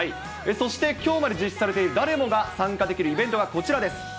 そしてきょうまで実施されている誰もが参加できるイベントがこちらです。